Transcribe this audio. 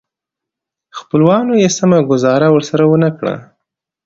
خپلوانو یې سمه ګوزاره ورسره ونه کړه.